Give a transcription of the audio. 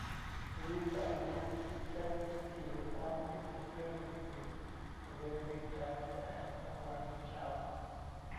Reese and Root save Maggie without interfering with the wedding plans and avoiding chaos.